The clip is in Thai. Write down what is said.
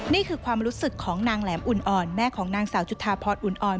นี่คือความรู้สึกของนางแหลมอุ่นอ่อนแม่ของนางสาวจุธาพรอุ่นอ่อน